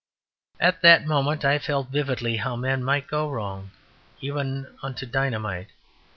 At that moment I felt vividly how men might go wrong, even unto dynamite.